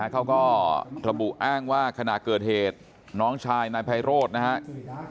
เขาก็ระบุอ้างว่าขณะเกิดเหตุน้องชายนายไพโรธนะครับ